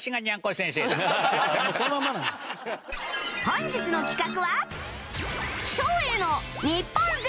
本日の企画は